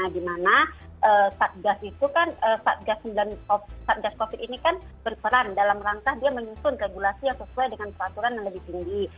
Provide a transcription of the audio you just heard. dimana satgas itu kan satgas covid ini kan berperan dalam rangka dia menyusun regulasi yang sesuai dengan peraturan yang lebih tinggi